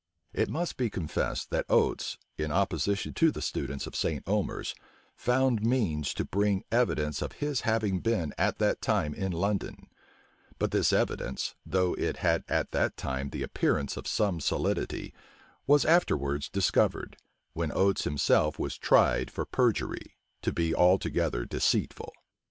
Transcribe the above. It must be confessed that Oates, in opposition to the students of St. Omers, found means to bring evidence of his having been at that time in London: but this evidence, though it had at that time the appearance of some solidity, was afterwards discovered, when Oates himself was tried for perjury, to be altogether deceitful.